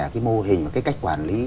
cái mô hình và cái cách quản lý